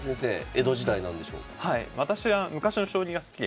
江戸時代なんでしょうか。